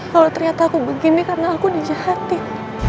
kalau ternyata aku begini karena aku dijahatin